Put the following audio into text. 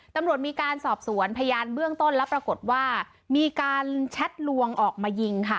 ตำรวจมีการสอบสวนพยานเบื้องต้นแล้วปรากฏว่ามีการแชทลวงออกมายิงค่ะ